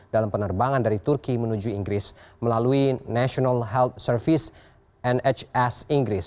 dalam penerbangan dari turki menuju inggris melalui national health service nhs inggris